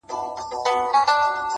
o نو گراني ته چي زما قدم باندي.